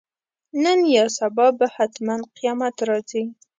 نن یا سبا به حتماً قیامت راځي.